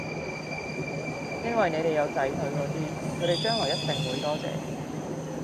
因為你哋有仔女嗰啲，佢哋將來一定會多謝你